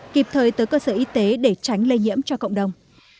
kịp thời tới cơ sở y tế để tránh lây nhiễm cho cộng đồng